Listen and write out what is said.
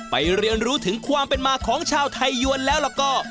เรียนรู้ถึงความเป็นมาของชาวไทยยวนแล้วแล้วก็